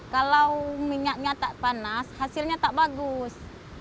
kalau minyaknya tak panas hasilnya tak bagus